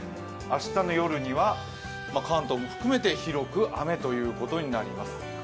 明日の夜には関東も含めて広く雨ということになります。